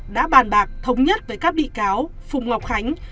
đã bàn bạc thống nhất với các bị cáo phùng ngọc khánh